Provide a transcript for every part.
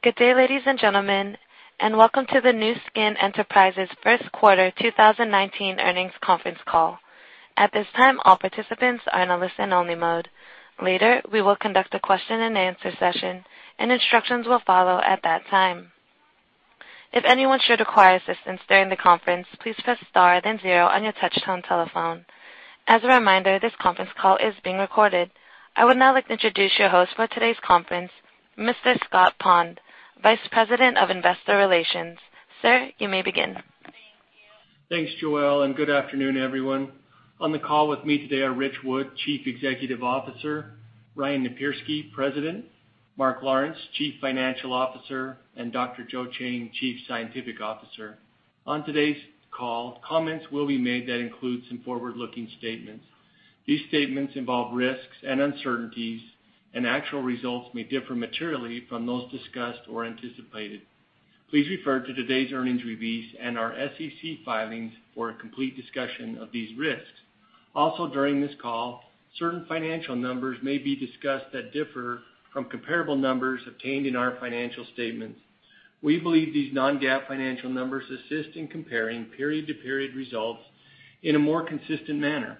Good day, ladies and gentlemen, and welcome to the Nu Skin Enterprises first quarter 2019 earnings conference call. At this time, all participants are in a listen-only mode. Later, we will conduct a question and answer session, and instructions will follow at that time. If anyone should require assistance during the conference, please press star then zero on your touchtone telephone. As a reminder, this conference call is being recorded. I would now like to introduce your host for today's conference, Mr. Scott Schweitzer, Vice President of Investor Relations. Sir, you may begin. Thanks, Joelle, good afternoon, everyone. On the call with me today are Ritch Wood, Chief Executive Officer, Ryan Napierski, President, Mark Lawrence, Chief Financial Officer, and Dr. Joe Chang, Chief Scientific Officer. On today's call, comments will be made that include some forward-looking statements. These statements involve risks and uncertainties, and actual results may differ materially from those discussed or anticipated. Please refer to today's earnings release and our SEC filings for a complete discussion of these risks. Also during this call, certain financial numbers may be discussed that differ from comparable numbers obtained in our financial statements. We believe these non-GAAP financial numbers assist in comparing period-to-period results in a more consistent manner.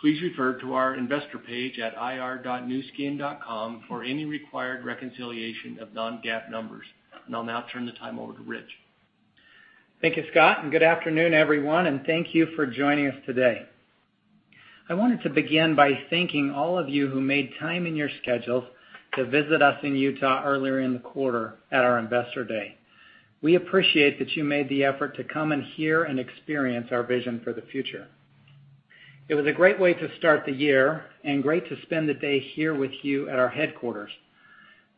Please refer to our investor page at ir.nuskin.com for any required reconciliation of non-GAAP numbers. I'll now turn the time over to Ritch. Thank you, Scott, good afternoon, everyone, thank you for joining us today. I wanted to begin by thanking all of you who made time in your schedules to visit us in Utah earlier in the quarter at our Investor Day. We appreciate that you made the effort to come and hear and experience our vision for the future. It was a great way to start the year and great to spend the day here with you at our headquarters.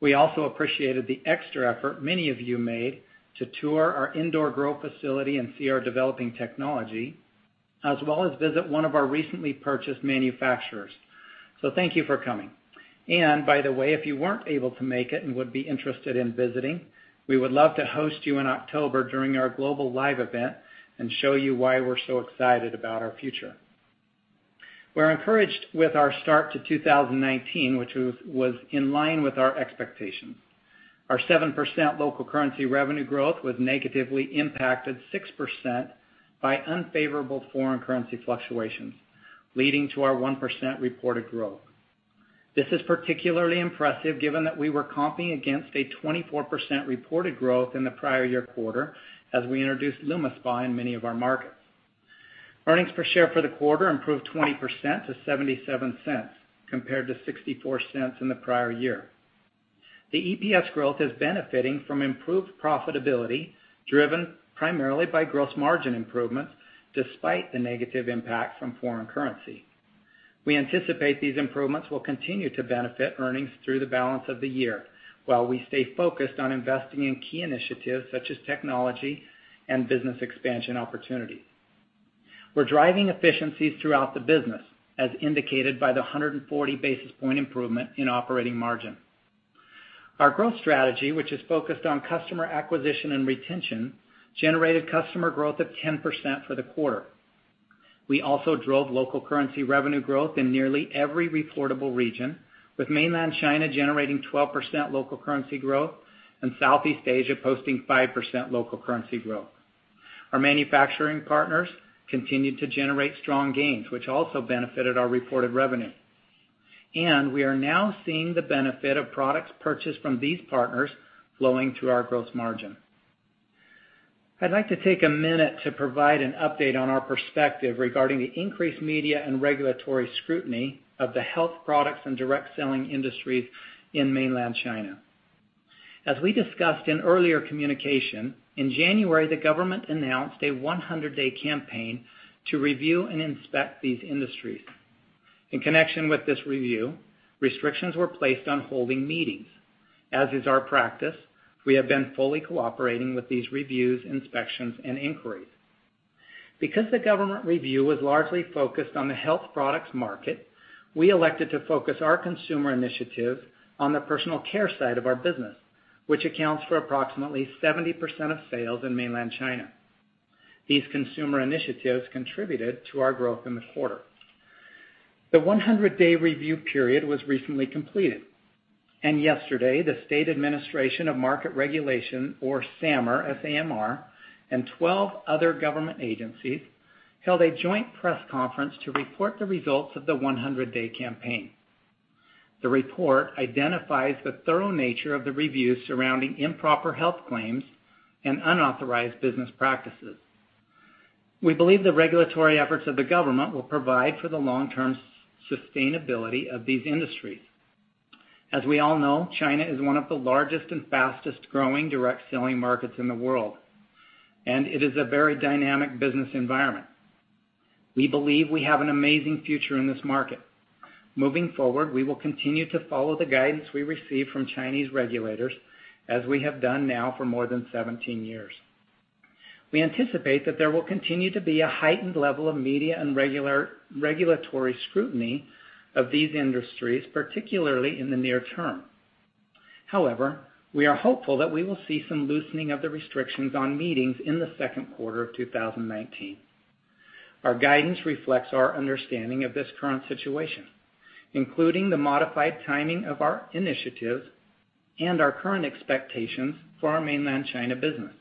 We also appreciated the extra effort many of you made to tour our indoor grow facility and see our developing technology, as well as visit one of our recently purchased manufacturers. Thank you for coming. By the way, if you weren't able to make it and would be interested in visiting, we would love to host you in October during our global live event and show you why we're so excited about our future. We're encouraged with our start to 2019, which was in line with our expectations. Our 7% local currency revenue growth was negatively impacted 6% by unfavorable foreign currency fluctuations, leading to our 1% reported growth. This is particularly impressive given that we were comping against a 24% reported growth in the prior year quarter as we introduced LumiSpa in many of our markets. Earnings per share for the quarter improved 20% to $0.77 compared to $0.64 in the prior year. The EPS growth is benefiting from improved profitability, driven primarily by gross margin improvements, despite the negative impact from foreign currency. We anticipate these improvements will continue to benefit earnings through the balance of the year while we stay focused on investing in key initiatives such as technology and business expansion opportunities. We're driving efficiencies throughout the business, as indicated by the 140 basis point improvement in operating margin. Our growth strategy, which is focused on customer acquisition and retention, generated customer growth of 10% for the quarter. We also drove local currency revenue growth in nearly every reportable region, with Mainland China generating 12% local currency growth and Southeast Asia posting 5% local currency growth. Our manufacturing partners continued to generate strong gains, which also benefited our reported revenue, and we are now seeing the benefit of products purchased from these partners flowing to our gross margin. I'd like to take a minute to provide an update on our perspective regarding the increased media and regulatory scrutiny of the health products and direct selling industries in Mainland China. As we discussed in earlier communication, in January, the government announced a 100-day campaign to review and inspect these industries. In connection with this review, restrictions were placed on holding meetings. As is our practice, we have been fully cooperating with these reviews, inspections, and inquiries. Because the government review was largely focused on the health products market, we elected to focus our consumer initiatives on the personal care side of our business, which accounts for approximately 70% of sales in Mainland China. These consumer initiatives contributed to our growth in the quarter. The 100-day review period was recently completed, and yesterday, the State Administration for Market Regulation, or SAMR, S-A-M-R, and 12 other government agencies held a joint press conference to report the results of the 100-day campaign. The report identifies the thorough nature of the review surrounding improper health claims and unauthorized business practices. We believe the regulatory efforts of the government will provide for the long-term sustainability of these industries. As we all know, China is one of the largest and fastest-growing direct selling markets in the world, and it is a very dynamic business environment. We believe we have an amazing future in this market. Moving forward, we will continue to follow the guidance we receive from Chinese regulators, as we have done now for more than 17 years. We anticipate that there will continue to be a heightened level of media and regulatory scrutiny of these industries, particularly in the near term. However, we are hopeful that we will see some loosening of the restrictions on meetings in the second quarter of 2019. Our guidance reflects our understanding of this current situation, including the modified timing of our initiatives and our current expectations for our Mainland China business.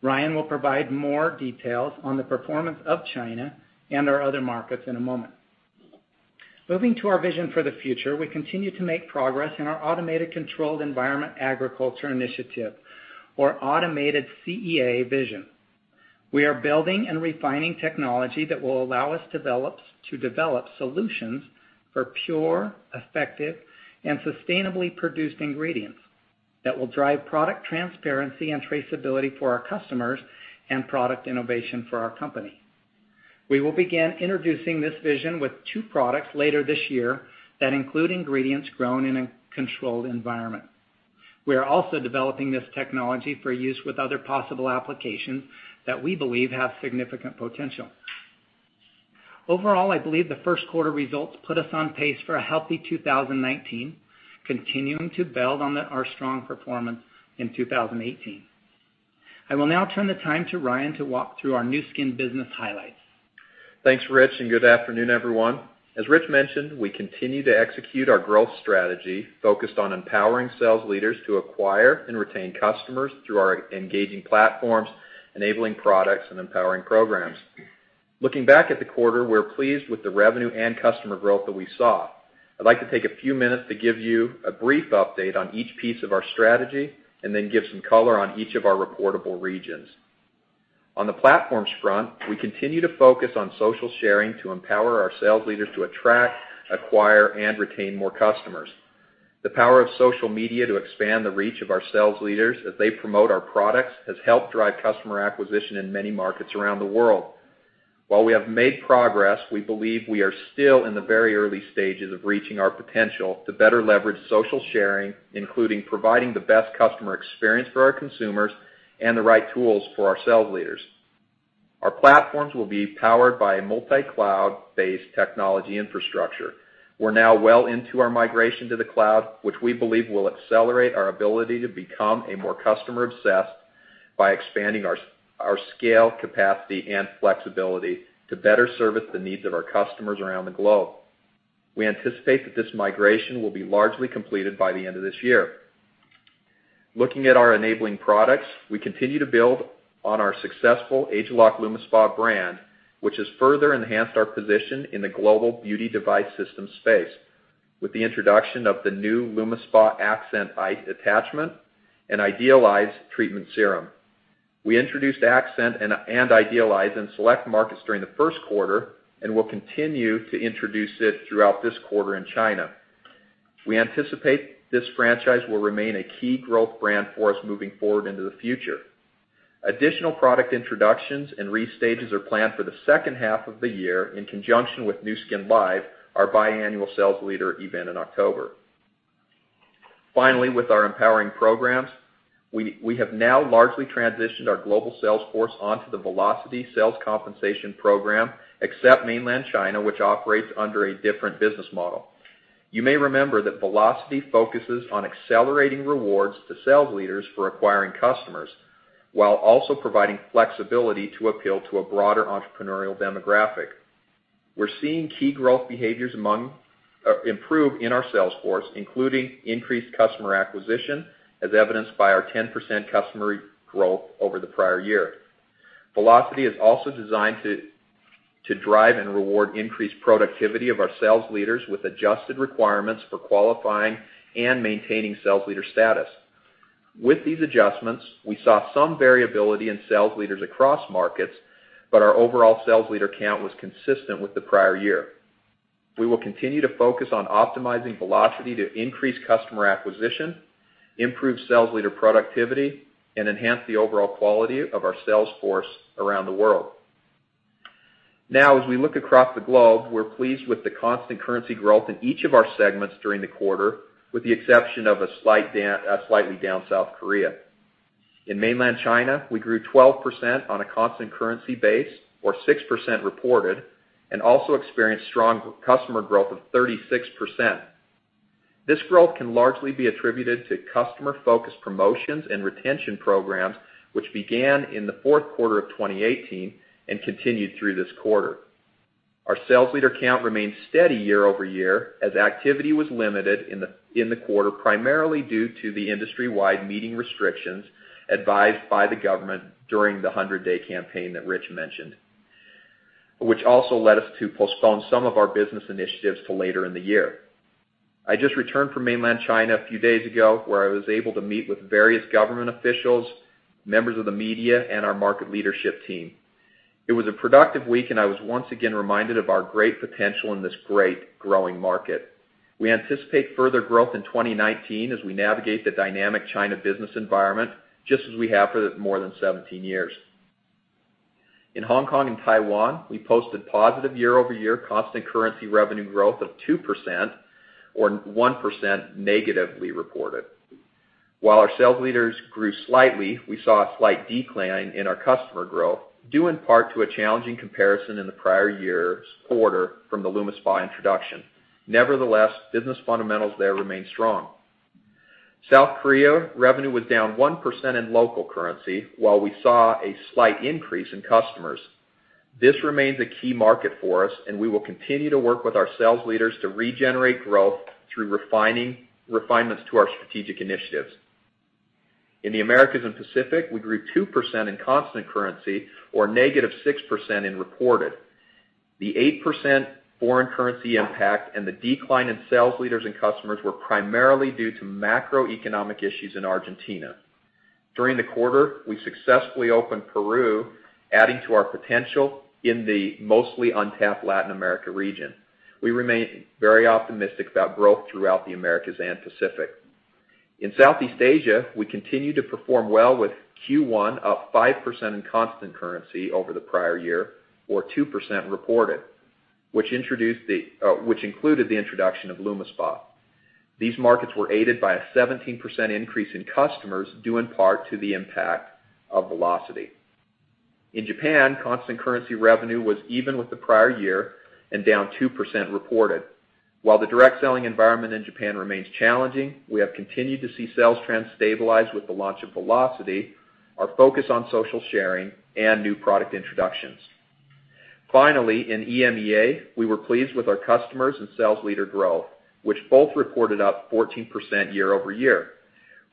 Ryan will provide more details on the performance of China and our other markets in a moment. Moving to our vision for the future, we continue to make progress in our automated controlled environment agriculture initiative or automated CEA vision. We are building and refining technology that will allow us to develop solutions for pure, effective, and sustainably produced ingredients that will drive product transparency and traceability for our customers and product innovation for our company. We will begin introducing this vision with two products later this year that include ingredients grown in a controlled environment. We are also developing this technology for use with other possible applications that we believe have significant potential. Overall, I believe the first quarter results put us on pace for a healthy 2019, continuing to build on our strong performance in 2018. I will now turn the time to Ryan to walk through our Nu Skin business highlights. Thanks, Ritch. Good afternoon, everyone. As Ritch mentioned, we continue to execute our growth strategy focused on empowering sales leaders to acquire and retain customers through our engaging platforms, enabling products, and empowering programs. Looking back at the quarter, we're pleased with the revenue and customer growth that we saw. I'd like to take a few minutes to give you a brief update on each piece of our strategy. Then give some color on each of our reportable regions. On the platforms front, we continue to focus on social sharing to empower our sales leaders to attract, acquire, and retain more customers. The power of social media to expand the reach of our sales leaders as they promote our products has helped drive customer acquisition in many markets around the world. While we have made progress, we believe we are still in the very early stages of reaching our potential to better leverage social sharing, including providing the best customer experience for our consumers and the right tools for our sales leaders. Our platforms will be powered by a multi-cloud-based technology infrastructure. We're now well into our migration to the cloud, which we believe will accelerate our ability to become more customer obsessed by expanding our scale, capacity, and flexibility to better service the needs of our customers around the globe. We anticipate that this migration will be largely completed by the end of this year. Looking at our enabling products, we continue to build on our successful ageLOC LumiSpa brand, which has further enhanced our position in the global beauty device system space with the introduction of the new LumiSpa Accent attachment and IdealEyes treatment serum. We introduced Accent and IdealEyes in select markets during the first quarter and will continue to introduce it throughout this quarter in China. We anticipate this franchise will remain a key growth brand for us moving forward into the future. Additional product introductions and restages are planned for the second half of the year in conjunction with Nu Skin LIVE, our biannual sales leader event in October. Finally, with our empowering programs, we have now largely transitioned our global sales force onto the Velocity sales compensation program, except Mainland China, which operates under a different business model. You may remember that Velocity focuses on accelerating rewards to sales leaders for acquiring customers, while also providing flexibility to appeal to a broader entrepreneurial demographic. We're seeing key growth behaviors improve in our sales force, including increased customer acquisition, as evidenced by our 10% customer growth over the prior year. Velocity is also designed to drive and reward increased productivity of our sales leaders with adjusted requirements for qualifying and maintaining sales leader status. With these adjustments, we saw some variability in sales leaders across markets, but our overall sales leader count was consistent with the prior year. We will continue to focus on optimizing Velocity to increase customer acquisition, improve sales leader productivity, and enhance the overall quality of our sales force around the world. As we look across the globe, we're pleased with the constant currency growth in each of our segments during the quarter, with the exception of a slightly down South Korea. In Mainland China, we grew 12% on a constant currency base or 6% reported and also experienced strong customer growth of 36%. This growth can largely be attributed to customer-focused promotions and retention programs, which began in the fourth quarter of 2018 and continued through this quarter. Our sales leader count remained steady year-over-year as activity was limited in the quarter, primarily due to the industry-wide meeting restrictions advised by the government during the 100-day campaign that Ritch mentioned, which also led us to postpone some of our business initiatives to later in the year. I just returned from Mainland China a few days ago, where I was able to meet with various government officials, members of the media, and our market leadership team. It was a productive week, and I was once again reminded of our great potential in this great growing market. We anticipate further growth in 2019 as we navigate the dynamic China business environment, just as we have for more than 17 years. In Hong Kong and Taiwan, we posted positive year-over-year constant currency revenue growth of 2% or 1% negatively reported. While our sales leaders grew slightly, we saw a slight decline in our customer growth, due in part to a challenging comparison in the prior year's quarter from the LumiSpa introduction. Nevertheless, business fundamentals there remain strong. South Korea revenue was down 1% in local currency, while we saw a slight increase in customers. This remains a key market for us, and we will continue to work with our sales leaders to regenerate growth through refinements to our strategic initiatives. In the Americas and Pacific, we grew 2% in constant currency or negative 6% in reported. The 8% foreign currency impact and the decline in sales leaders and customers were primarily due to macroeconomic issues in Argentina. During the quarter, we successfully opened Peru, adding to our potential in the mostly untapped Latin America region. We remain very optimistic about growth throughout the Americas and Pacific. In Southeast Asia, we continue to perform well with Q1 up 5% in constant currency over the prior year or 2% reported, which included the introduction of LumiSpa. These markets were aided by a 17% increase in customers, due in part to the impact of Velocity. In Japan, constant currency revenue was even with the prior year and down 2% reported. While the direct selling environment in Japan remains challenging, we have continued to see sales trends stabilize with the launch of Velocity, our focus on social sharing, and new product introductions. Finally, in EMEA, we were pleased with our customers and sales leader growth, which both reported up 14% year-over-year.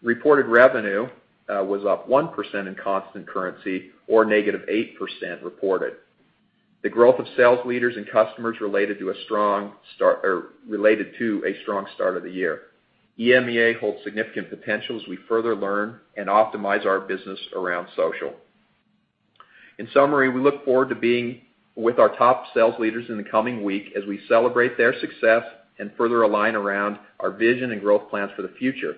Reported revenue was up 1% in constant currency or negative 8% reported. The growth of sales leaders and customers related to a strong start of the year. EMEA holds significant potential as we further learn and optimize our business around social. In summary, we look forward to being with our top sales leaders in the coming week as we celebrate their success and further align around our vision and growth plans for the future.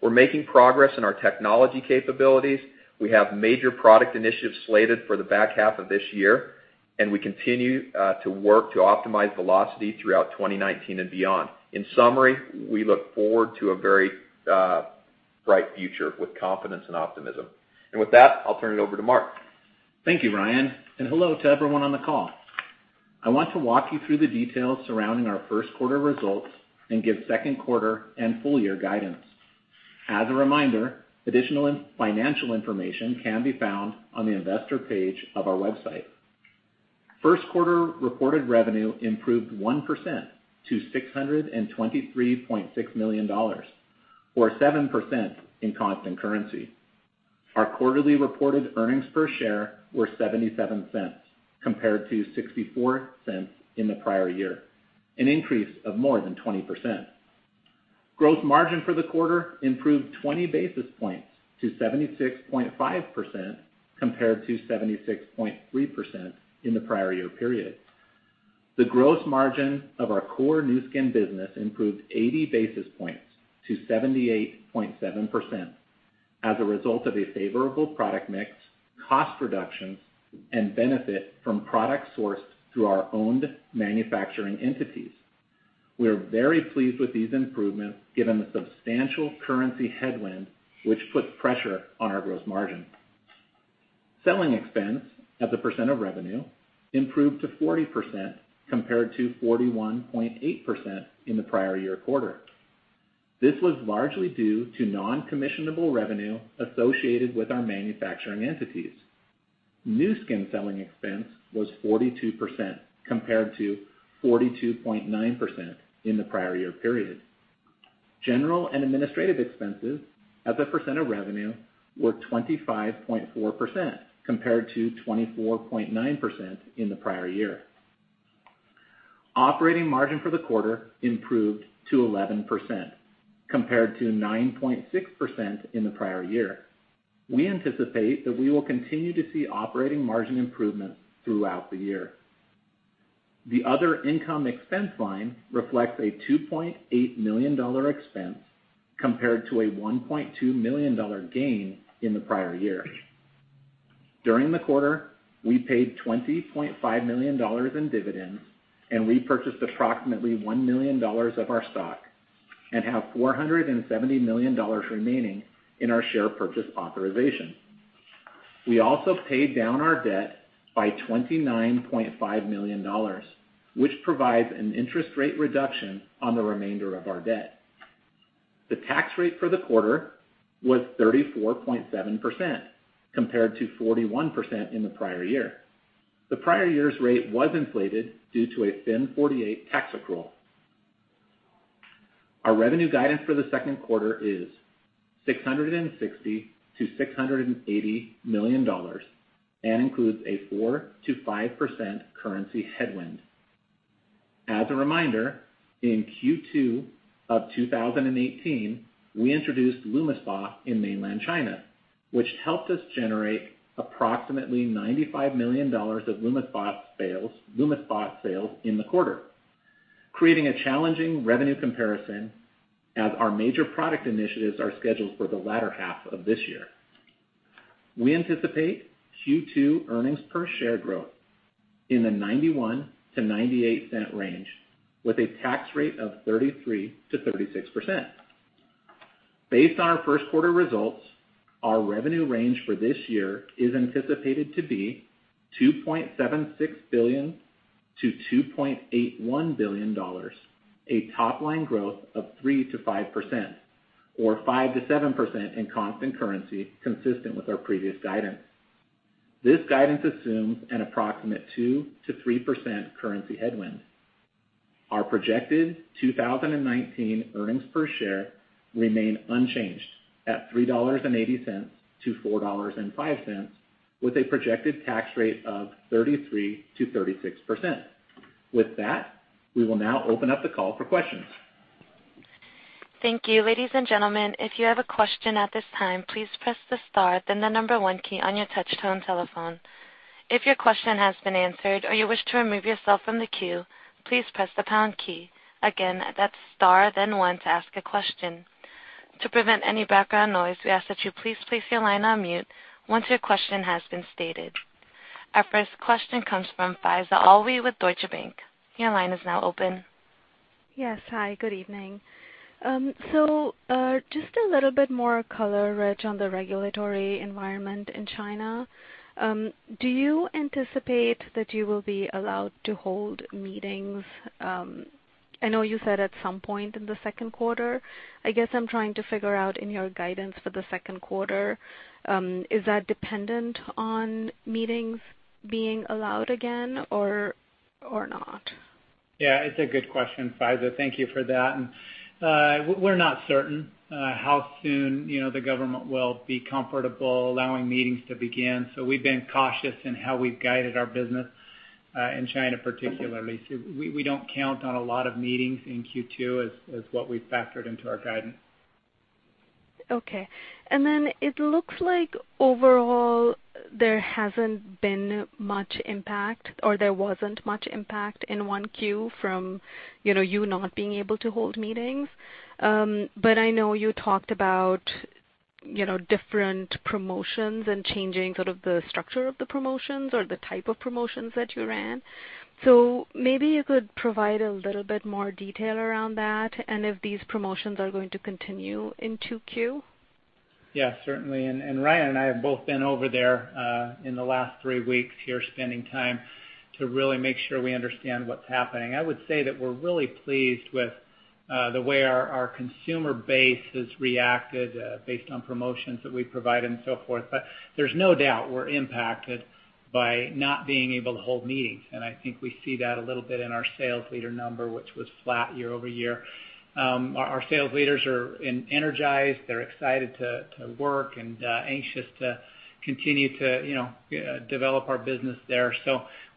We're making progress in our technology capabilities. We have major product initiatives slated for the back half of this year, and we continue to work to optimize Velocity throughout 2019 and beyond. In summary, we look forward to a very bright future with confidence and optimism. With that, I'll turn it over to Mark. Thank you, Ryan, and hello to everyone on the call. I want to walk you through the details surrounding our first quarter results and give second quarter and full year guidance. As a reminder, additional financial information can be found on the investor page of our website. First quarter reported revenue improved 1% to $623.6 million, or 7% in constant currency. Our quarterly reported earnings per share were $0.77 compared to $0.64 in the prior year, an increase of more than 20%. Gross margin for the quarter improved 20 basis points to 76.5% compared to 76.3% in the prior year period. The gross margin of our core Nu Skin business improved 80 basis points to 78.7% as a result of a favorable product mix, cost reductions, and benefit from products sourced through our owned manufacturing entities. We are very pleased with these improvements given the substantial currency headwind which put pressure on our gross margin. Selling expense as a percent of revenue improved to 40% compared to 41.8% in the prior year quarter. This was largely due to non-commissionable revenue associated with our manufacturing entities. Nu Skin selling expense was 42% compared to 42.9% in the prior year period. General and administrative expenses as a percent of revenue were 25.4% compared to 24.9% in the prior year. Operating margin for the quarter improved to 11% compared to 9.6% in the prior year. We anticipate that we will continue to see operating margin improvement throughout the year. The other income expense line reflects a $2.8 million expense compared to a $1.2 million gain in the prior year. During the quarter, we paid $20.5 million in dividends and repurchased approximately $1 million of our stock and have $470 million remaining in our share purchase authorization. We also paid down our debt by $29.5 million, which provides an interest rate reduction on the remainder of our debt. The tax rate for the quarter was 34.7% compared to 41% in the prior year. The prior year's rate was inflated due to a FIN 48 tax accrual. Our revenue guidance for the second quarter is $660 million to $680 million and includes a 4%-5% currency headwind. As a reminder, in Q2 of 2018, we introduced LumiSpa in mainland China, which helped us generate approximately $95 million of LumiSpa sales in the quarter, creating a challenging revenue comparison as our major product initiatives are scheduled for the latter half of this year. We anticipate Q2 earnings per share growth in the $0.91-$0.98 range with a tax rate of 33%-36%. Based on our first quarter results, our revenue range for this year is anticipated to be $2.76 billion To $2.81 billion, a top line growth of 3%-5%, or 5%-7% in constant currency, consistent with our previous guidance. This guidance assumes an approximate 2%-3% currency headwind. Our projected 2019 earnings per share remain unchanged at $3.80-$4.05, with a projected tax rate of 33%-36%. With that, we will now open up the call for questions. Thank you. Ladies and gentlemen, if you have a question at this time, please press the star then the number one key on your touch-tone telephone. If your question has been answered or you wish to remove yourself from the queue, please press the pound key. Again, that's star then one to ask a question. To prevent any background noise, we ask that you please place your line on mute once your question has been stated. Our first question comes from Faiza Alwy with Deutsche Bank. Your line is now open. Yes. Hi, good evening. Just a little bit more color, Ritch, on the regulatory environment in China. Do you anticipate that you will be allowed to hold meetings? I know you said at some point in the second quarter. I guess I'm trying to figure out in your guidance for the second quarter, is that dependent on meetings being allowed again or not? It's a good question, Faiza. Thank you for that. We're not certain how soon the government will be comfortable allowing meetings to begin, we've been cautious in how we've guided our business, in China particularly. We don't count on a lot of meetings in Q2 as what we've factored into our guidance. Okay. It looks like overall, there hasn't been much impact, or there wasn't much impact in 1Q from you not being able to hold meetings. I know you talked about different promotions and changing sort of the structure of the promotions or the type of promotions that you ran. Maybe you could provide a little bit more detail around that and if these promotions are going to continue in 2Q. Yeah, certainly. Ryan and I have both been over there, in the last three weeks here, spending time to really make sure we understand what's happening. I would say that we're really pleased with the way our consumer base has reacted based on promotions that we provide and so forth. There's no doubt we're impacted by not being able to hold meetings, and I think we see that a little bit in our sales leader number, which was flat year-over-year. Our sales leaders are energized. They're excited to work and anxious to continue to develop our business there.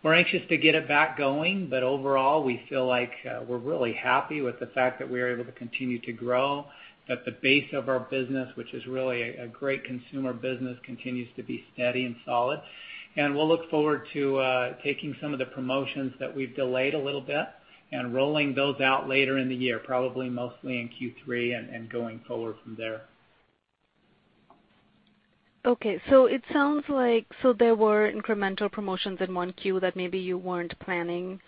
We're anxious to get it back going. Overall, we feel like we're really happy with the fact that we are able to continue to grow at the base of our business, which is really a great consumer business, continues to be steady and solid. We'll look forward to taking some of the promotions that we've delayed a little bit and rolling those out later in the year, probably mostly in Q3 and going forward from there. Okay. It sounds like there were incremental promotions in 1Q that maybe you weren't planning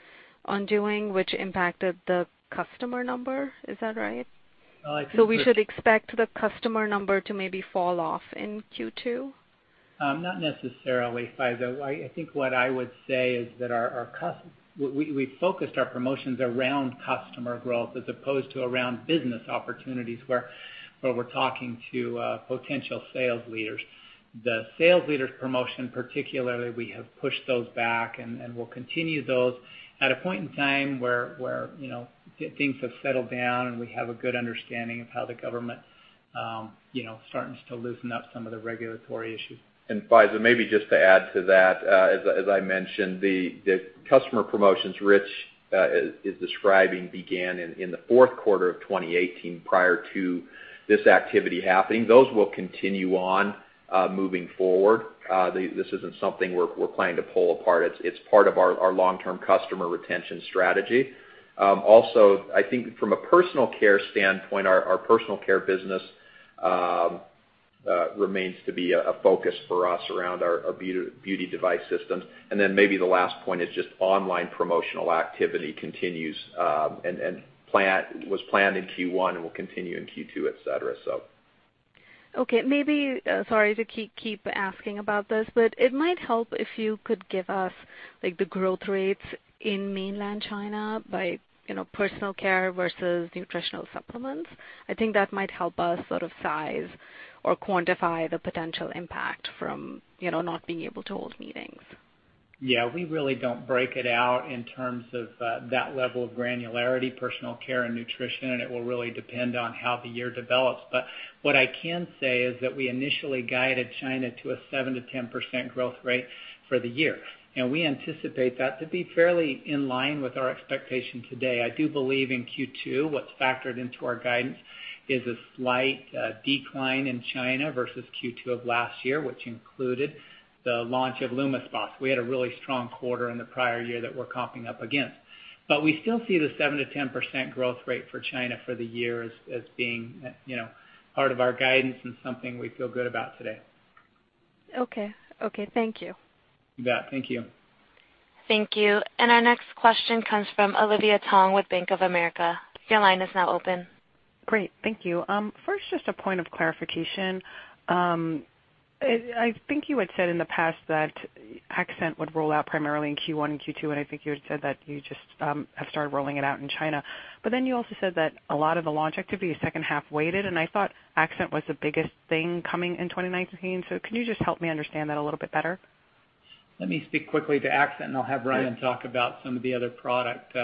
on doing, which impacted the customer number. Is that right? I think the- We should expect the customer number to maybe fall off in Q2? Not necessarily, Faiza. I think what I would say is that we focused our promotions around customer growth as opposed to around business opportunities where we're talking to potential sales leaders. The sales leaders promotion particularly, we have pushed those back, and we'll continue those at a point in time where things have settled down, and we have a good understanding of how the government starts to loosen up some of the regulatory issues. Faiza, maybe just to add to that, as I mentioned, the customer promotions Ritch is describing began in the fourth quarter of 2018 prior to this activity happening. Those will continue on, moving forward. This isn't something we're planning to pull apart. It's part of our long-term customer retention strategy. Also, I think from a personal care standpoint, our personal care business remains to be a focus for us around our beauty device systems. Maybe the last point is just online promotional activity continues, and was planned in Q1 and will continue in Q2, et cetera. Okay. Maybe, sorry to keep asking about this, it might help if you could give us the growth rates in mainland China by personal care versus nutritional supplements. I think that might help us sort of size or quantify the potential impact from not being able to hold meetings. Yeah, we really don't break it out in terms of that level of granularity, personal care and nutrition, it will really depend on how the year develops. What I can say is that we initially guided China to a 7%-10% growth rate for the year. We anticipate that to be fairly in line with our expectation today. I do believe in Q2, what's factored into our guidance is a slight decline in China versus Q2 of last year, which included the launch of LumiSpa. We had a really strong quarter in the prior year that we're comping up against. We still see the 7%-10% growth rate for China for the year as being part of our guidance and something we feel good about today. Okay. Thank you. You bet. Thank you. Thank you. Our next question comes from Olivia Tong with Bank of America. Your line is now open. Great. Thank you. First, just a point of clarification. I think you had said in the past that Accent would roll out primarily in Q1 and Q2, I think you had said that you just have started rolling it out in China. You also said that a lot of the launch activity is second-half weighted, I thought Accent was the biggest thing coming in 2019. Can you just help me understand that a little bit better? Let me speak quickly to Accent, and I'll have Ryan talk about some of the other product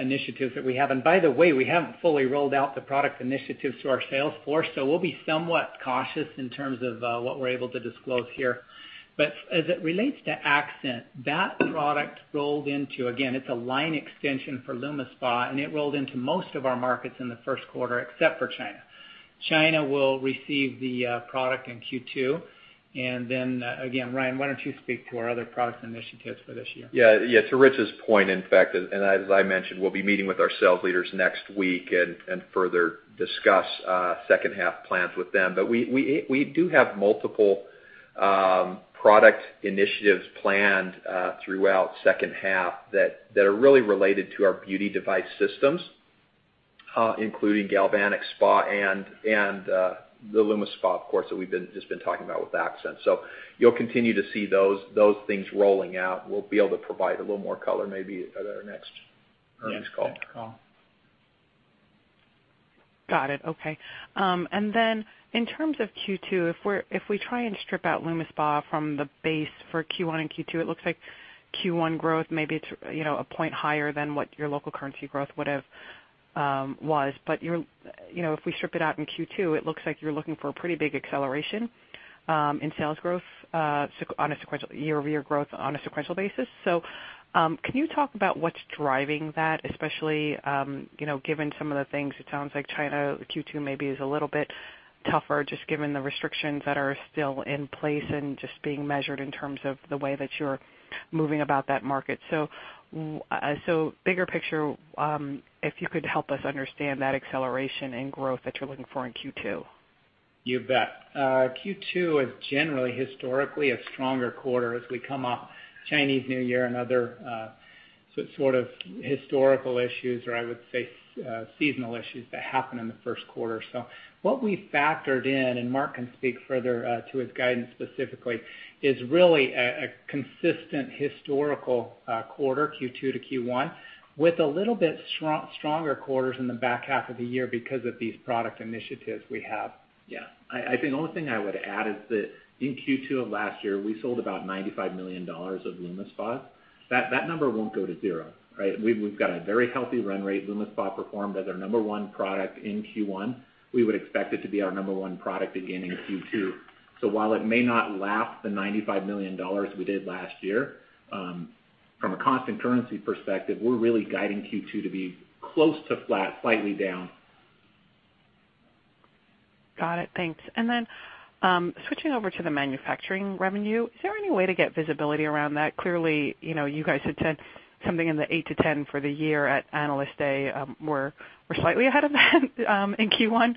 initiatives that we have. By the way, we haven't fully rolled out the product initiatives to our sales force, so we'll be somewhat cautious in terms of what we're able to disclose here. As it relates to Accent, that product rolled into, again, it's a line extension for LumiSpa, and it rolled into most of our markets in the first quarter, except for China. China will receive the product in Q2. Again, Ryan, why don't you speak to our other product initiatives for this year? To Ritch's point, in fact, as I mentioned, we'll be meeting with our sales leaders next week and further discuss second-half plans with them. We do have multiple product initiatives planned throughout second-half that are really related to our beauty device systems, including Galvanic Spa and the LumiSpa, of course, that we've just been talking about with Accent. You'll continue to see those things rolling out. We'll be able to provide a little more color, maybe at our next earnings call. Yeah, next call. Got it. Okay. In terms of Q2, if we try and strip out LumiSpa from the base for Q1 and Q2, it looks like Q1 growth, maybe it's one point higher than what your local currency growth was. If we strip it out in Q2, it looks like you're looking for a pretty big acceleration in sales growth, year-over-year growth on a sequential basis. Can you talk about what's driving that, especially, given some of the things, it sounds like China Q2 maybe is a little bit tougher, just given the restrictions that are still in place and just being measured in terms of the way that you're moving about that market. Bigger picture, if you could help us understand that acceleration in growth that you're looking for in Q2. You bet. Q2 is generally historically a stronger quarter as we come off Chinese New Year and other sort of historical issues, or I would say, seasonal issues that happen in the first quarter. What we factored in, Mark can speak further to his guidance specifically, is really a consistent historical quarter, Q2 to Q1, with a little bit stronger quarters in the back-half of the year because of these product initiatives we have. Yeah. I think only thing I would add is that in Q2 of last year, we sold about $95 million of LumiSpas. That number won't go to zero. Right? We've got a very healthy run rate. LumiSpa performed as our number one product in Q1. We would expect it to be our number one product again in Q2. While it may not lap the $95 million we did last year, from a constant currency perspective, we're really guiding Q2 to be close to flat, slightly down. Got it. Thanks. Switching over to the manufacturing revenue, is there any way to get visibility around that? Clearly, you guys had said something in the 8%-10% for the year at Analyst Day. We're slightly ahead of that in Q1.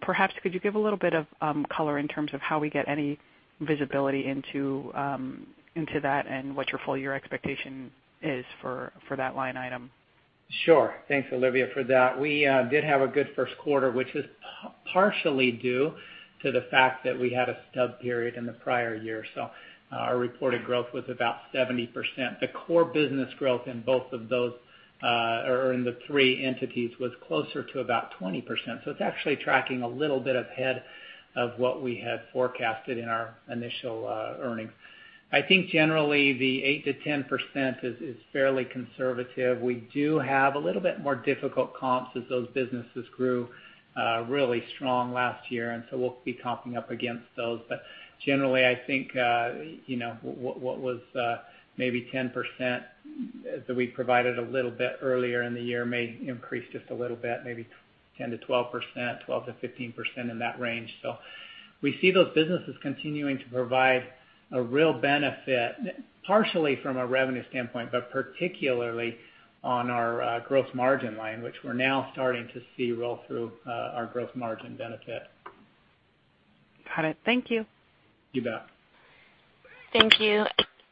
Perhaps could you give a little bit of color in terms of how we get any visibility into that and what your full year expectation is for that line item? Sure. Thanks, Olivia, for that. We did have a good first quarter, which was partially due to the fact that we had a stub period in the prior year. Our reported growth was about 70%. The core business growth in both of those, or in the three entities, was closer to about 20%. It's actually tracking a little bit ahead of what we had forecasted in our initial earnings. I think generally the 8%-10% is fairly conservative. We do have a little bit more difficult comps as those businesses grew really strong last year, and so we'll be comping up against those. Generally, I think, what was maybe 10% that we provided a little bit earlier in the year may increase just a little bit, maybe 10%-12%, 12%-15% in that range. We see those businesses continuing to provide a real benefit, partially from a revenue standpoint, but particularly on our gross margin line, which we're now starting to see roll through our gross margin benefit. Got it. Thank you. You bet. Thank you.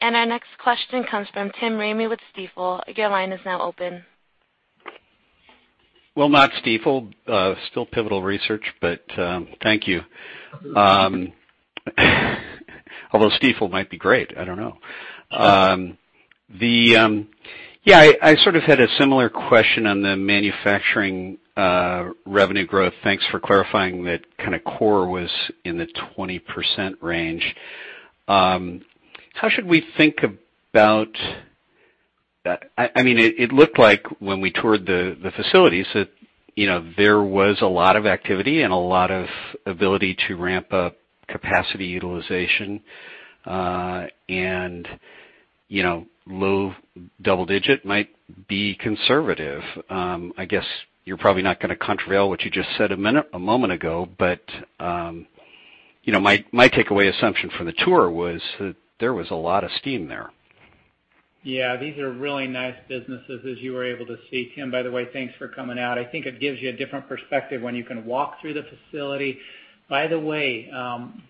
Our next question comes from Tim Ramey with Stifel. Your line is now open. Well, not Stifel, still Pivotal Research, but thank you. Although Stifel might be great, I don't know. Yeah, I sort of had a similar question on the manufacturing revenue growth. Thanks for clarifying that kind of core was in the 20% range. How should we think about I mean, it looked like when we toured the facilities that there was a lot of activity and a lot of ability to ramp up capacity utilization, and low double digit might be conservative. I guess you're probably not gonna contrail what you just said a moment ago, but my takeaway assumption from the tour was that there was a lot of steam there Yeah, these are really nice businesses as you were able to see. Tim, by the way, thanks for coming out. I think it gives you a different perspective when you can walk through the facility. By the way,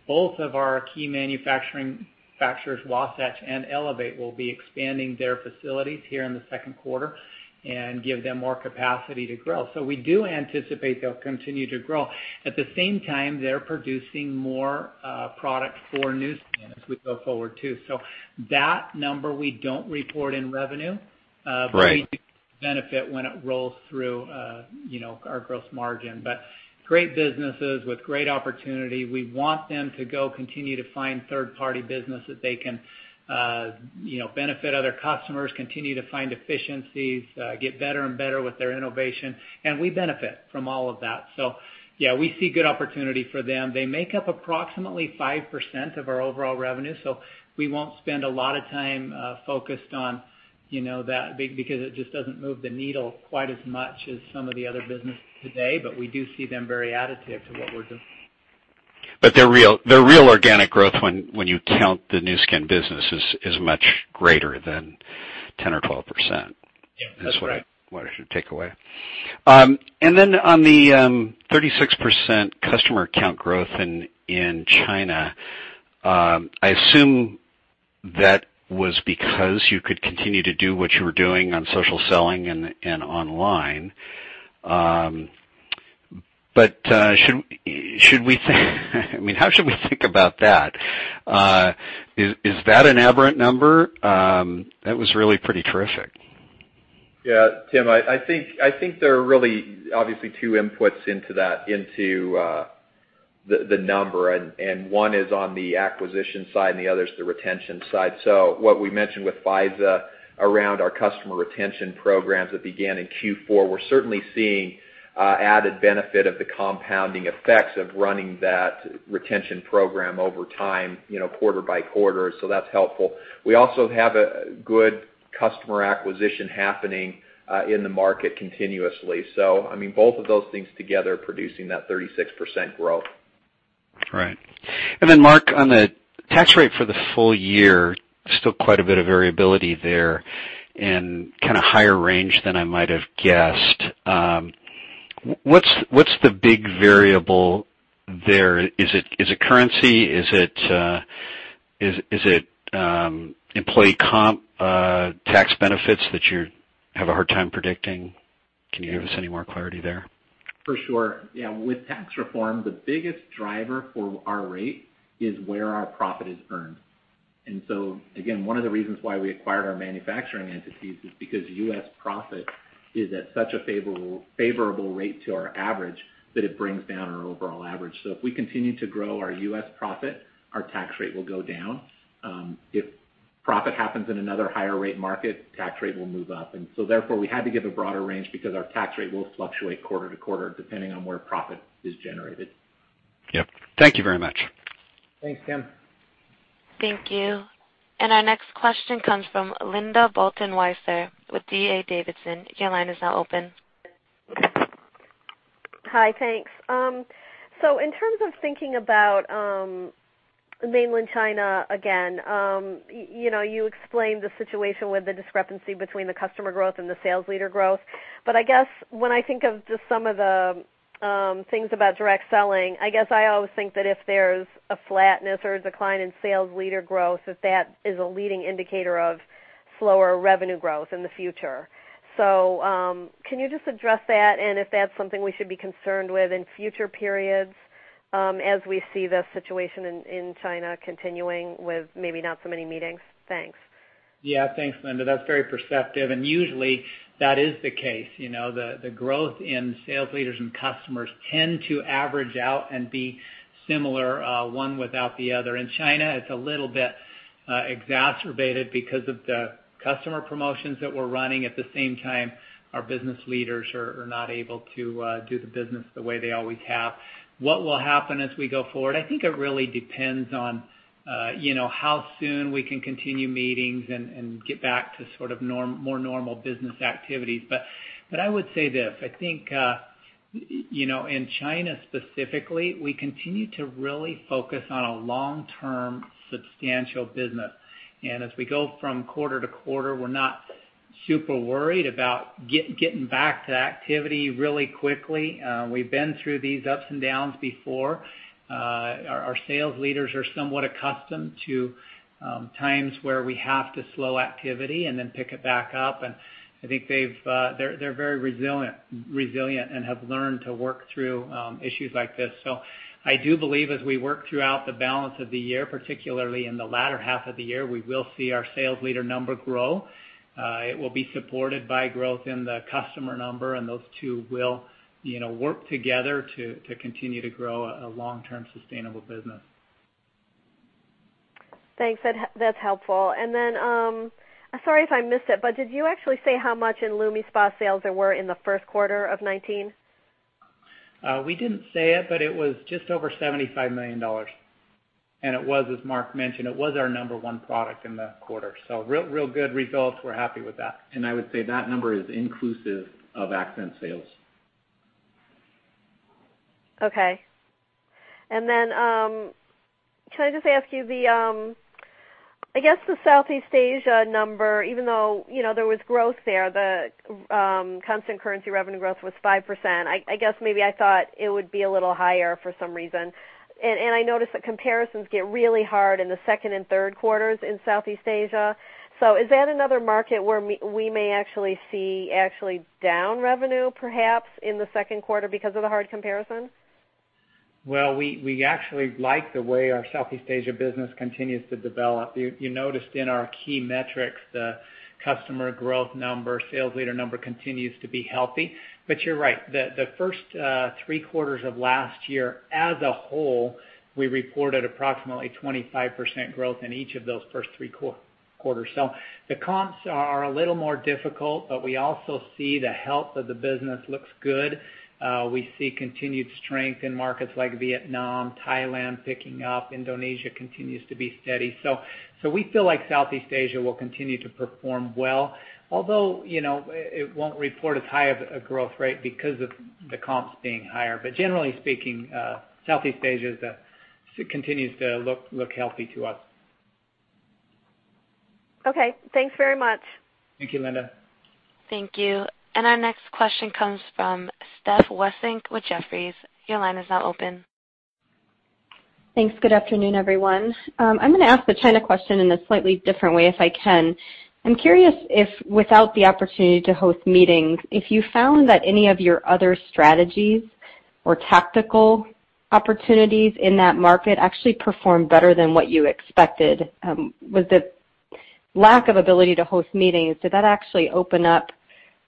both of our key manufacturers, Wasatch and Elevate, will be expanding their facilities here in the second quarter and give them more capacity to grow. We do anticipate they'll continue to grow. At the same time, they're producing more product for Nu Skin as we go forward, too. That number we don't report in revenue. Right We do benefit when it rolls through our gross margin. Great businesses with great opportunity. We want them to go continue to find third-party business that they can benefit other customers, continue to find efficiencies, get better and better with their innovation, and we benefit from all of that. Yeah, we see good opportunity for them. They make up approximately 5% of our overall revenue, we won't spend a lot of time focused on that because it just doesn't move the needle quite as much as some of the other businesses today, but we do see them very additive to what we're doing. The real organic growth when you count the Nu Skin business, is much greater than 10% or 12%. Yeah. That's right. That's what I should take away. On the 36% customer account growth in China, I assume that was because you could continue to do what you were doing on social selling and online. How should we think about that? Is that an aberrant number? That was really pretty terrific. Yeah, Tim, I think there are really obviously two inputs into the number and one is on the acquisition side, and the other is the retention side. What we mentioned with Faiza around our customer retention programs that began in Q4, we're certainly seeing added benefit of the compounding effects of running that retention program over time, quarter by quarter. That's helpful. We also have a good customer acquisition happening in the market continuously. Both of those things together producing that 36% growth. Right. Mark, on the tax rate for the full year, still quite a bit of variability there and kind of higher range than I might have guessed. What's the big variable there? Is it currency? Is it employee comp tax benefits that you have a hard time predicting? Can you give us any more clarity there? For sure. Yeah. With tax reform, the biggest driver for our rate is where our profit is earned. Again, one of the reasons why we acquired our manufacturing entities is because U.S. profit is at such a favorable rate to our average, that it brings down our overall average. If we continue to grow our U.S. profit, our tax rate will go down. If profit happens in another higher rate market, tax rate will move up. We had to give a broader range because our tax rate will fluctuate quarter to quarter depending on where profit is generated. Yep. Thank you very much. Thanks, Tim. Thank you. Our next question comes from Linda Bolton-Weiser with D.A. Davidson. Your line is now open. Hi, thanks. In terms of thinking about Mainland China again, you explained the situation with the discrepancy between the customer growth and the sales leader growth, but I guess when I think of just some of the things about direct selling, I guess I always think that if there's a flatness or a decline in sales leader growth, that that is a leading indicator of slower revenue growth in the future. Can you just address that and if that's something we should be concerned with in future periods, as we see the situation in China continuing with maybe not so many meetings? Thanks. Thanks, Linda. That's very perceptive and usually that is the case. The growth in sales leaders and customers tend to average out and be similar, one without the other. In China, it's a little bit exacerbated because of the customer promotions that we're running. At the same time, our business leaders are not able to do the business the way they always have. What will happen as we go forward, I think it really depends on how soon we can continue meetings and get back to sort of more normal business activities. I would say this, I think, in China specifically, we continue to really focus on a long-term substantial business, and as we go from quarter to quarter, we're not super worried about getting back to activity really quickly. We've been through these ups and downs before. Our sales leaders are somewhat accustomed to times where we have to slow activity and then pick it back up, and I think they're very resilient and have learned to work through issues like this. I do believe as we work throughout the balance of the year, particularly in the latter half of the year, we will see our sales leader number grow. It will be supported by growth in the customer number, and those two will work together to continue to grow a long-term sustainable business. Thanks. That's helpful. Then, sorry if I missed it, but did you actually say how much in LumiSpa sales there were in the first quarter of 2019? We didn't say it, but it was just over $75 million. It was, as Mark mentioned, it was our number 1 product in the quarter. Real good results. We're happy with that. I would say that number is inclusive of Accent sales. Okay. Then, can I just ask you, I guess the Southeast Asia number, even though, there was growth there, the constant currency revenue growth was 5%. I guess maybe I thought it would be a little higher for some reason. I noticed that comparisons get really hard in the second and third quarters in Southeast Asia. Is that another market where we may actually see actually down revenue, perhaps in the second quarter because of the hard comparison? Well, we actually like the way our Southeast Asia business continues to develop. You noticed in our key metrics, the customer growth number, sales leader number continues to be healthy. You're right. The first three quarters of last year as a whole, we reported approximately 25% growth in each of those first three quarters. The comps are a little more difficult, we also see the health of the business looks good. We see continued strength in markets like Vietnam, Thailand picking up, Indonesia continues to be steady. We feel like Southeast Asia will continue to perform well, it won't report as high of a growth rate because of the comps being higher. Generally speaking, Southeast Asia continues to look healthy to us. Okay. Thanks very much. Thank you, Linda. Thank you. Our next question comes from Steph Wissink with Jefferies. Your line is now open. Thanks. Good afternoon, everyone. I'm gonna ask the China question in a slightly different way, if I can. I'm curious if without the opportunity to host meetings, if you found that any of your other strategies or tactical opportunities in that market actually performed better than what you expected. With the lack of ability to host meetings, did that actually open up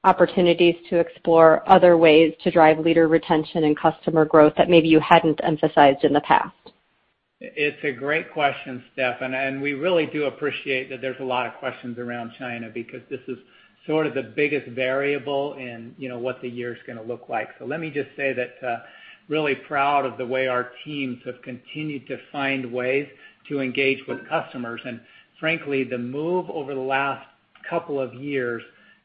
opportunities to explore other ways to drive leader retention and customer growth that maybe you hadn't emphasized in the past? It's a great question, Steph, we really do appreciate that there's a lot of questions around China because this is sort of the biggest variable in what the year's gonna look like. Let me just say that, really proud of the way our teams have continued to find ways to engage with customers. Frankly, the move over the last couple of years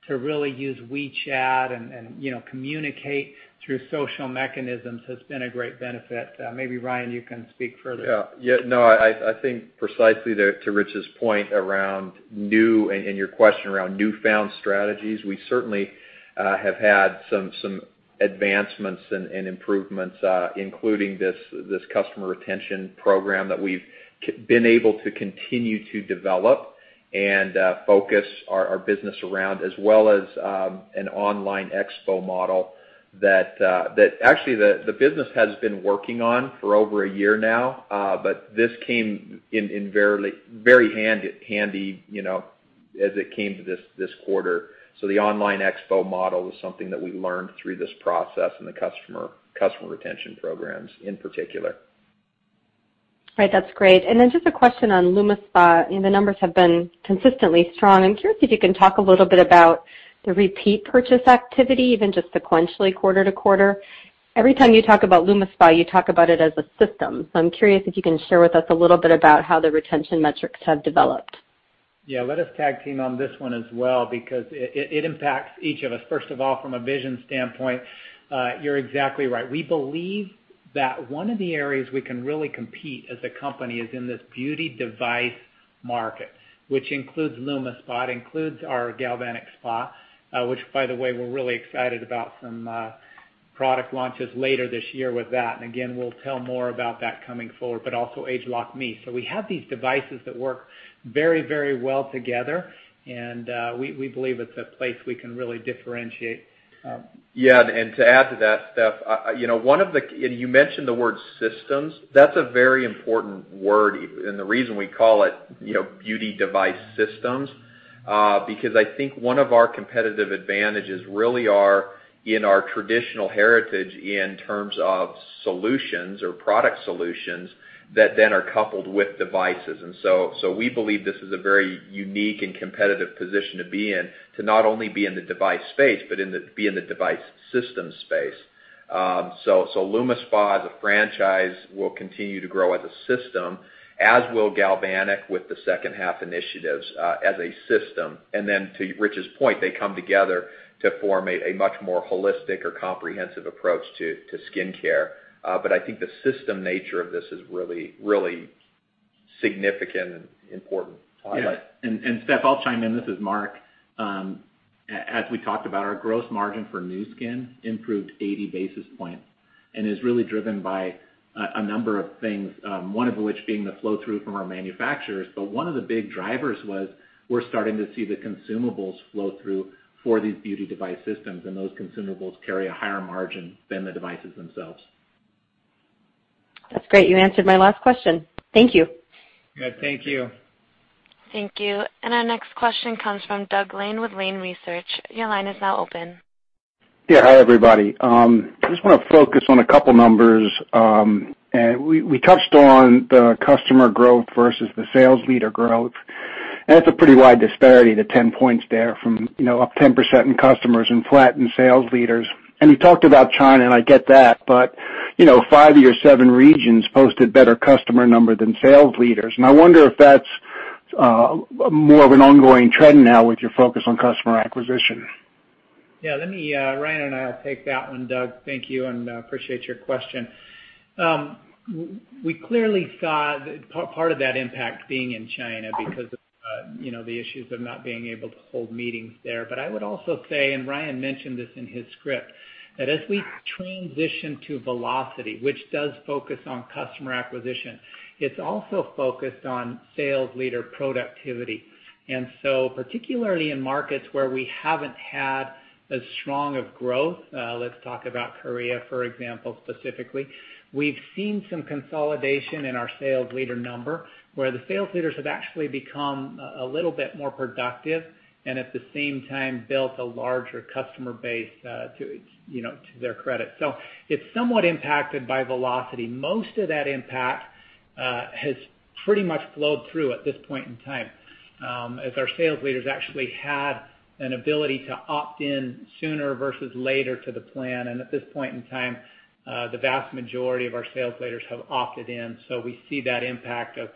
to really use WeChat and communicate through social mechanisms has been a great benefit. Maybe Ryan, you can speak further. Yeah. I think precisely to Ritch's point around new, and your question around newfound strategies, we certainly have had some advancements and improvements, including this customer retention program that we've been able to continue to develop and focus our business around as well as an online expo model that actually the business has been working on for over a year now. This came in very handy, as it came to this quarter. The online expo model was something that we learned through this process and the customer retention programs in particular. Right. That's great. Then just a question on LumiSpa, the numbers have been consistently strong. I'm curious if you can talk a little bit about the repeat purchase activity, even just sequentially quarter-to-quarter. Every time you talk about LumiSpa, you talk about it as a system. I'm curious if you can share with us a little bit about how the retention metrics have developed. Yeah. Let us tag team on this one as well because it impacts each of us. First of all, from a vision standpoint, you're exactly right. We believe that one of the areas we can really compete as a company is in this beauty device market, which includes LumiSpa, includes our Galvanic Spa, which by the way, we're really excited about some product launches later this year with that. Again, we'll tell more about that coming forward, but also ageLOC Me. We have these devices that work very well together, and we believe it's a place we can really differentiate. Yeah. To add to that, Steph, you mentioned the word systems. That's a very important word, and the reason we call it beauty device systems, because I think one of our competitive advantages really are in our traditional heritage in terms of solutions or product solutions that then are coupled with devices. We believe this is a very unique and competitive position to be in, to not only be in the device space, but be in the device systems space. LumiSpa as a franchise will continue to grow as a system, as will Galvanic with the second half initiatives, as a system. Then to Ritch's point, they come together to form a much more holistic or comprehensive approach to skincare. I think the system nature of this is really significant and important. Highlight. Steph, I'll chime in. This is Mark. As we talked about, our gross margin for Nu Skin improved 80 basis points and is really driven by a number of things, one of which being the flow-through from our manufacturers. One of the big drivers was we're starting to see the consumables flow through for these beauty device systems, and those consumables carry a higher margin than the devices themselves. That's great. You answered my last question. Thank you. Good. Thank you. Thank you. Our next question comes from Doug Lane with Lane Research. Your line is now open. Hi, everybody. I just wanna focus on a couple numbers. We touched on the customer growth versus the sales leader growth, and that's a pretty wide disparity, the 10 points there from up 10% in customers and flat in sales leaders. You talked about China, and I get that, but five of your seven regions posted better customer number than sales leaders. I wonder if that's more of an ongoing trend now with your focus on customer acquisition. Yeah. Ryan and I will take that one, Doug. Thank you. I appreciate your question. We clearly saw part of that impact being in China because of the issues of not being able to hold meetings there. I would also say, Ryan mentioned this in his script, that as we transition to Velocity, which does focus on customer acquisition, it's also focused on sales leader productivity. Particularly in markets where we haven't had as strong of growth, let's talk about Korea, for example, specifically, we've seen some consolidation in our sales leader number, where the sales leaders have actually become a little bit more productive, and at the same time, built a larger customer base to their credit. It's somewhat impacted by Velocity. Most of that impact has pretty much flowed through at this point in time, as our sales leaders actually had an ability to opt in sooner versus later to the plan. At this point in time, the vast majority of our sales leaders have opted in. We see that impact of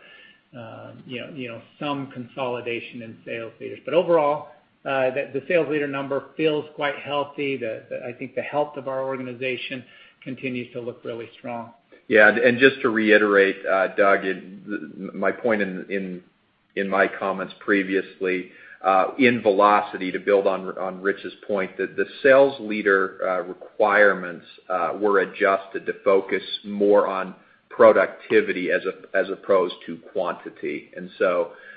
some consolidation in sales leaders. Overall, the sales leader number feels quite healthy. I think the health of our organization continues to look really strong. Yeah, just to reiterate, Doug, my point in my comments previously, in Velocity, to build on Ritch's point, the sales leader requirements were adjusted to focus more on productivity as opposed to quantity.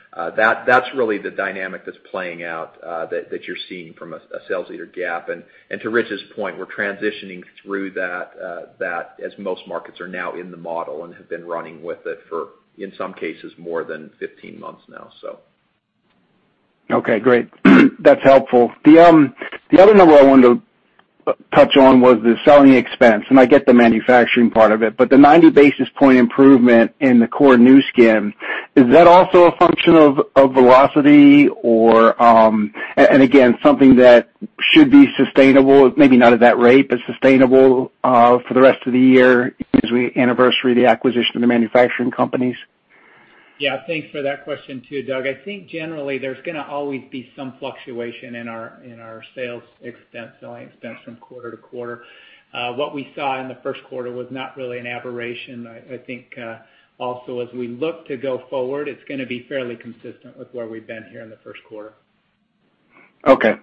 That's really the dynamic that's playing out that you're seeing from a sales leader gap. To Ritch's point, we're transitioning through that as most markets are now in the model and have been running with it for, in some cases, more than 15 months now. Okay, great. That's helpful. The other number I wanted to touch on was the selling expense. I get the manufacturing part of it, but the 90 basis point improvement in the core Nu Skin, is that also a function of Velocity? Again, something that should be sustainable, maybe not at that rate, but sustainable for the rest of the year as we anniversary the acquisition of the manufacturing companies? Yeah, thanks for that question, too, Doug. I think generally, there's gonna always be some fluctuation in our sales expense from quarter to quarter. What we saw in the first quarter was not really an aberration. I think also as we look to go forward, it's gonna be fairly consistent with where we've been here in the first quarter. Okay.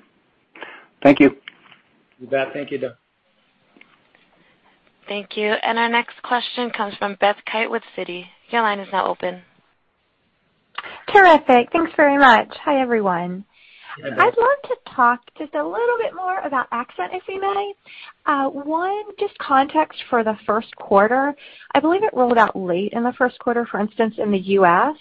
Thank you. You bet. Thank you, Doug. Thank you. Our next question comes from Beth Kite with Citi. Your line is now open. Terrific. Thanks very much. Hi, everyone. Hi. I'd love to talk just a little bit more about Accent, if we may. One, just context for the first quarter. I believe it rolled out late in the first quarter, for instance, in the U.S.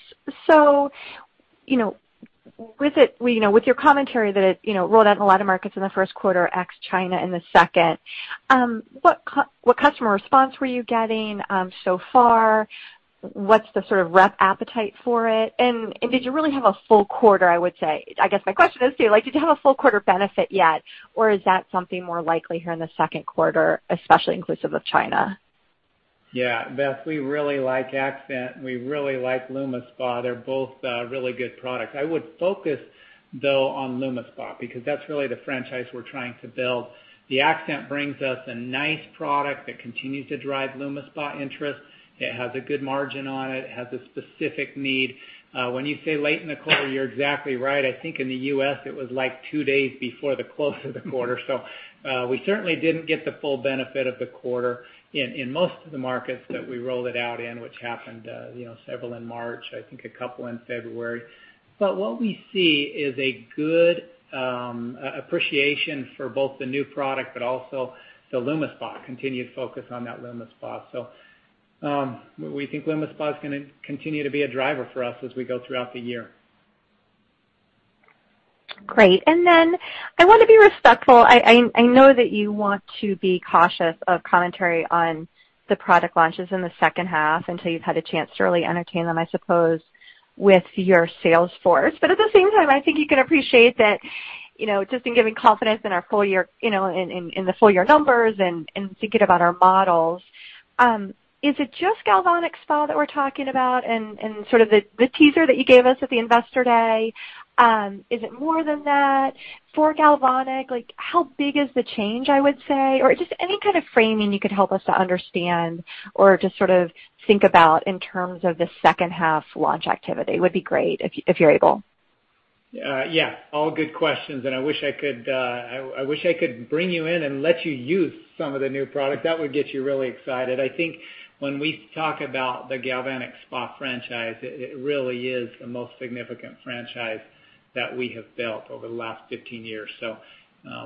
With your commentary that it rolled out in a lot of markets in the first quarter, ex China in the second, what customer response were you getting so far? What's the rep appetite for it? Did you really have a full quarter, I would say? I guess my question is, too, did you have a full quarter benefit yet? Or is that something more likely here in the second quarter, especially inclusive of China? Yeah. Beth, we really like Accent. We really like LumiSpa. They're both really good products. I would focus, though, on LumiSpa, because that's really the franchise we're trying to build. The Accent brings us a nice product that continues to drive LumiSpa interest. It has a good margin on it. It has a specific need. When you say late in the quarter, you're exactly right. I think in the U.S., it was two days before the close of the quarter. We certainly didn't get the full benefit of the quarter in most of the markets that we rolled it out in, which happened several in March, I think a couple in February. What we see is a good appreciation for both the new product but also the LumiSpa, continued focus on that LumiSpa. We think LumiSpa is going to continue to be a driver for us as we go throughout the year. Great. I want to be respectful. I know that you want to be cautious of commentary on the product launches in the second half until you've had a chance to really entertain them, I suppose, with your sales force. At the same time, I think you can appreciate that, just in giving confidence in the full year numbers and thinking about our models, is it just Galvanic Spa that we're talking about and sort of the teaser that you gave us at the Investor Day? Is it more than that? For Galvanic, how big is the change, I would say? Or just any kind of framing you could help us to understand or just sort of think about in terms of the second half launch activity would be great, if you're able. Yeah. All good questions. I wish I could bring you in and let you use some of the new product. That would get you really excited. I think when we talk about the Galvanic Spa franchise, it really is the most significant franchise that we have built over the last 15 years.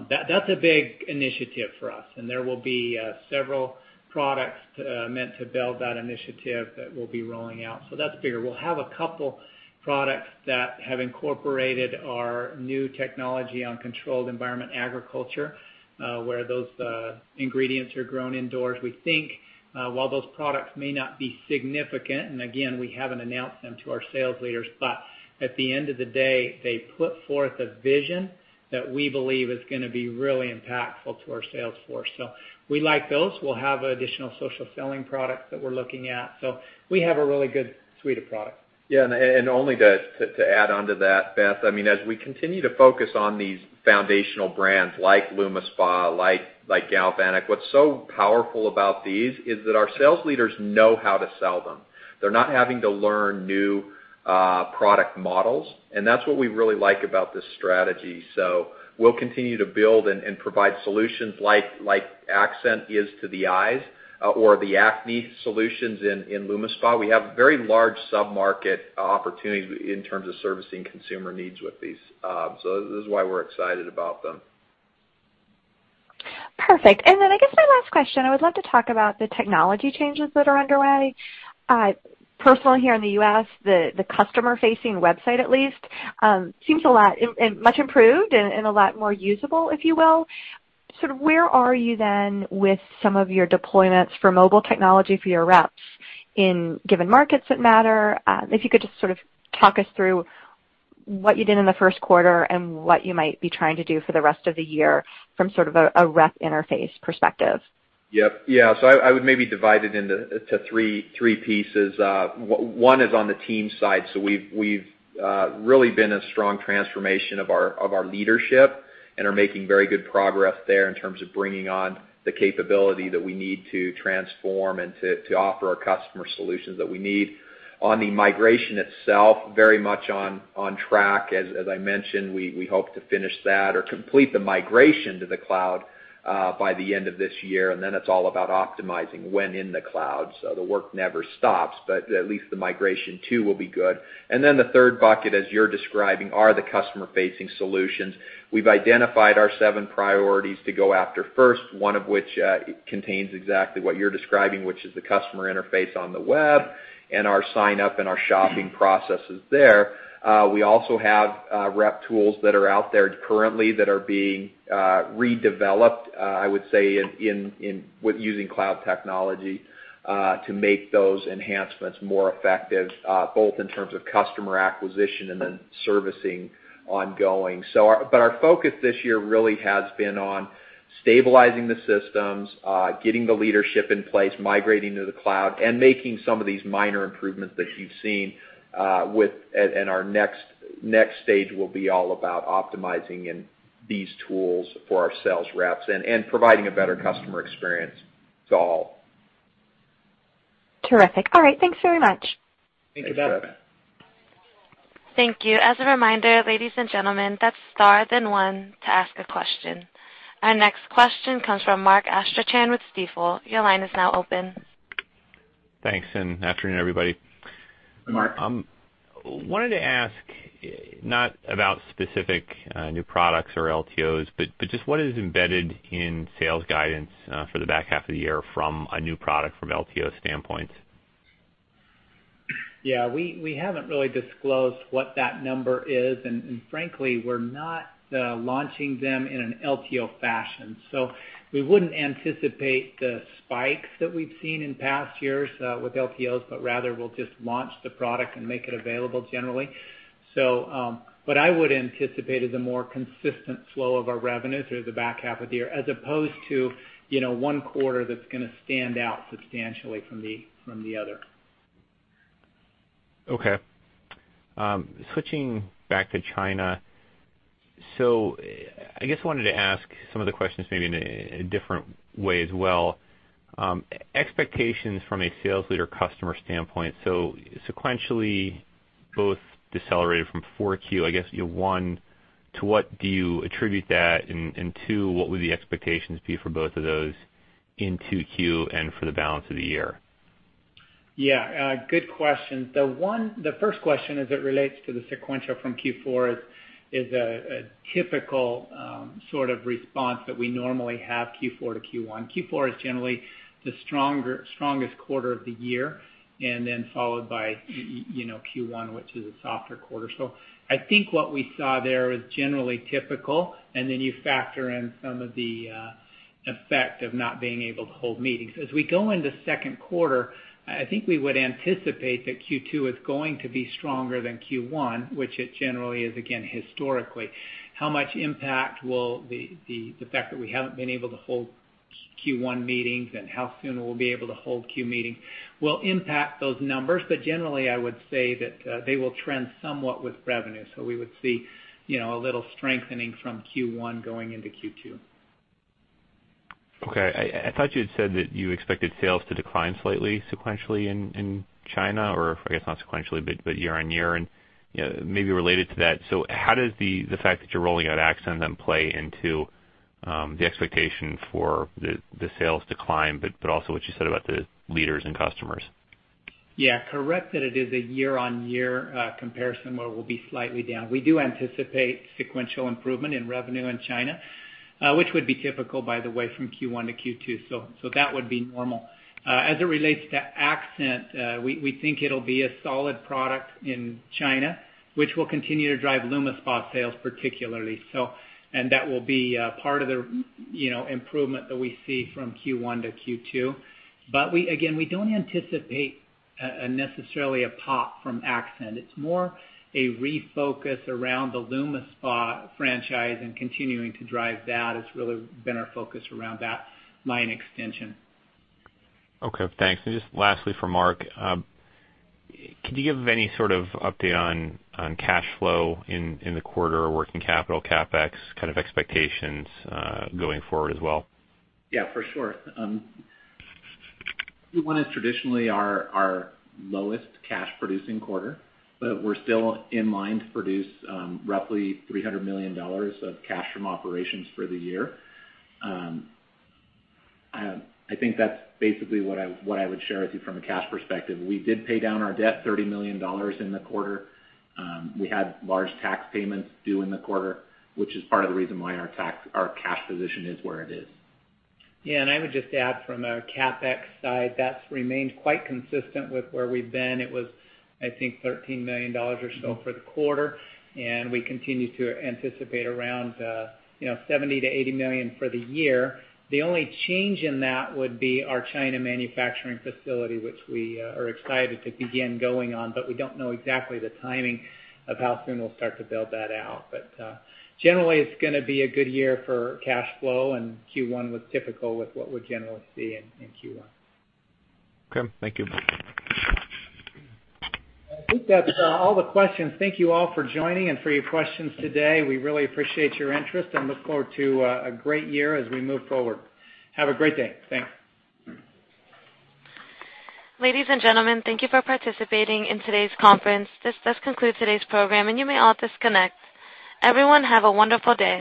That's a big initiative for us, and there will be several products meant to build that initiative that we'll be rolling out. That's bigger. We'll have a couple products that have incorporated our new technology on controlled environment agriculture. We think while those products may not be significant, and again, we haven't announced them to our sales leaders, at the end of the day, they put forth a vision that we believe is going to be really impactful to our sales force. We like those. We'll have additional social selling products that we're looking at. We have a really good suite of products. Yeah, only to add onto that, Beth, as we continue to focus on these foundational brands like LumiSpa, like Galvanic, what's so powerful about these is that our sales leaders know how to sell them. They're not having to learn new product models, and that's what we really like about this strategy. We'll continue to build and provide solutions like Accent is to the eyes or the acne solutions in LumiSpa. We have very large sub-market opportunities in terms of servicing consumer needs with these, this is why we're excited about them. Perfect. I guess my last question, I would love to talk about the technology changes that are underway. Personally, here in the U.S., the customer-facing website at least, seems much improved and a lot more usable, if you will. Sort of where are you with some of your deployments for mobile technology for your reps in given markets that matter? If you could just sort of talk us through what you did in the first quarter and what you might be trying to do for the rest of the year from sort of a rep interface perspective. Yep. Yeah. I would maybe divide it into three pieces. One is on the team side. We've really been a strong transformation of our leadership and are making very good progress there in terms of bringing on the capability that we need to transform and to offer our customer solutions that we need. On the migration itself, very much on track. As I mentioned, we hope to finish that or complete the migration to the cloud by the end of this year, it's all about optimizing when in the cloud. The work never stops, but at least the migration too will be good. The third bucket, as you're describing, are the customer-facing solutions. We've identified our seven priorities to go after first, one of which contains exactly what you're describing, which is the customer interface on the web and our sign-up and our shopping processes there. We also have rep tools that are out there currently that are being redeveloped, I would say, with using cloud technology to make those enhancements more effective, both in terms of customer acquisition servicing ongoing. Our focus this year really has been on stabilizing the systems, getting the leadership in place, migrating to the cloud, and making some of these minor improvements that you've seen. Our next stage will be all about optimizing these tools for our sales reps and providing a better customer experience to all. Terrific. All right. Thanks very much. Thank you, Beth. Thank you. As a reminder, ladies and gentlemen, that's star then one to ask a question. Our next question comes from Mark Astrachan with Stifel. Your line is now open. Thanks, and afternoon, everybody. Hi, Mark. Wanted to ask, not about specific new products or LTOs, but just what is embedded in sales guidance for the back half of the year from a new product, from LTO standpoint? Yeah, we haven't really disclosed what that number is, and frankly, we're not launching them in an LTO fashion. We wouldn't anticipate the spikes that we've seen in past years with LTOs, but rather we'll just launch the product and make it available generally. I would anticipate is a more consistent flow of our revenues through the back half of the year, as opposed to one quarter that's going to stand out substantially from the other. Okay. Switching back to China. I guess wanted to ask some of the questions maybe in a different way as well. Expectations from a sales leader customer standpoint, sequentially both decelerated from 4Q, I guess, one, to what do you attribute that, and two, what would the expectations be for both of those in 2Q and for the balance of the year? Yeah. Good question. The first question as it relates to the sequential from Q4 is a typical sort of response that we normally have Q4 to Q1. Q4 is generally the strongest quarter of the year, and then followed by Q1, which is a softer quarter. I think what we saw there was generally typical, and then you factor in some of the effect of not being able to hold meetings. As we go into second quarter, I think we would anticipate that Q2 is going to be stronger than Q1, which it generally is again historically. How much impact will the fact that we haven't been able to hold Q1 meetings and how soon we'll be able to hold Q meeting will impact those numbers. Generally, I would say that they will trend somewhat with revenue. We would see a little strengthening from Q1 going into Q2. Okay. I thought you had said that you expected sales to decline slightly sequentially in China, or I guess not sequentially, but year-over-year and maybe related to that. How does the fact that you're rolling out Accent then play into the expectation for the sales decline, but also what you said about the leaders and customers? Yeah, correct that it is a year-over-year comparison where we'll be slightly down. We do anticipate sequential improvement in revenue in China, which would be typical, by the way, from Q1 to Q2, so that would be normal. As it relates to Accent, we think it'll be a solid product in China, which will continue to drive LumiSpa sales particularly. That will be part of the improvement that we see from Q1 to Q2. Again, we don't anticipate necessarily a pop from Accent. It's more a refocus around the LumiSpa franchise and continuing to drive that has really been our focus around that line extension. Okay, thanks. Just lastly for Mark, can you give any sort of update on cash flow in the quarter, working capital, CapEx kind of expectations going forward as well? Yeah, for sure. Q1 is traditionally our lowest cash-producing quarter, but we're still in line to produce roughly $300 million of cash from operations for the year. I think that's basically what I would share with you from a cash perspective. We did pay down our debt $30 million in the quarter. We had large tax payments due in the quarter, which is part of the reason why our cash position is where it is. Yeah, I would just add from a CapEx side, that's remained quite consistent with where we've been. It was, I think, $13 million or so for the quarter, and we continue to anticipate around $70 million-$80 million for the year. The only change in that would be our China manufacturing facility, which we are excited to begin going on, but we don't know exactly the timing of how soon we'll start to build that out. Generally, it's going to be a good year for cash flow, and Q1 was typical with what we generally see in Q1. Okay. Thank you. I think that's all the questions. Thank you all for joining and for your questions today. We really appreciate your interest and look forward to a great year as we move forward. Have a great day. Thanks. Ladies and gentlemen, thank you for participating in today's conference. This does conclude today's program. You may all disconnect. Everyone, have a wonderful day.